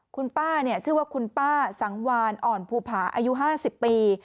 คุณป้าชื่อว่าคุณป้าสังวานอ่อนภูผาอายุ๕๐ปี